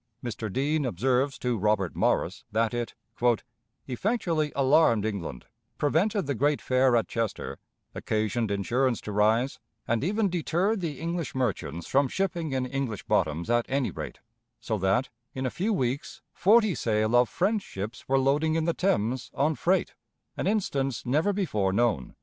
Mr. Deane observes to Robert Morris that it "effectually alarmed England, prevented the great fair at Chester, occasioned insurance to rise, and even deterred the English merchants from shipping in English bottoms at any rate, so that, in a few weeks, forty sail of French ships were loading in the Thames, on freight, an instance never before known."